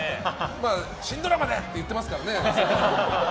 新ドラマでって言ってますからね。